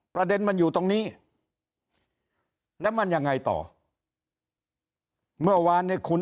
ประเด็นมันอยู่ตรงนี้แล้วมันยังไงต่อเมื่อวานเนี่ยคุณ